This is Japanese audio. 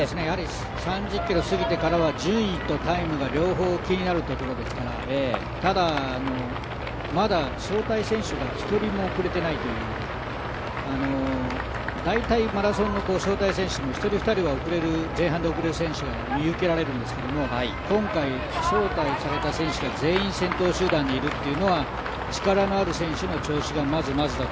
３０ｋｍ過ぎてからは順位とタイム、両方気になるところですから、まだ招待選手が１人も遅れていないという大体マラソンの招待選手も１人、２人は前半で遅れることが見受けられるんですが今回、招待された選手が全員先頭集団にいるというのは力のある選手の調子がまずまずだと